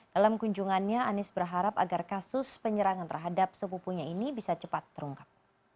dalam kunjungannya anies berharap agar kasus penyerangan terhadap sepupunya ini bisa cepat terungkap